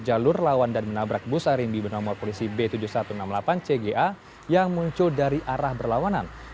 jalur lawan dan menabrak bus arimbi bernomor polisi b tujuh ribu satu ratus enam puluh delapan cga yang muncul dari arah berlawanan